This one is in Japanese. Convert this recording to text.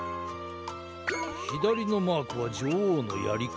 ひだりのマークはじょおうのやりか。